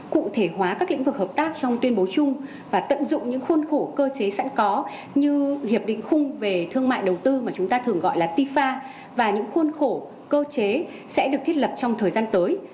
cụ thể hóa các lĩnh vực hợp tác trong tuyên bố chung và tận dụng những khuôn khổ cơ chế sẵn có như hiệp định khung về thương mại đầu tư mà chúng ta thường gọi là tifa và những khuôn khổ cơ chế sẽ được thiết lập trong thời gian tới